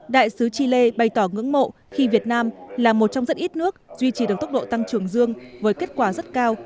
đại sứ chile bày tỏ ngưỡng mộ khi việt nam là một trong rất ít nước duy trì được tốc độ tăng trưởng dương với kết quả rất cao